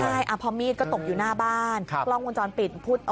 ใช่พอมีดก็ตกอยู่หน้าบ้านกล้องวงจรปิด